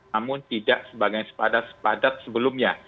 namun tidak sebagai sepadat sepadat sebelumnya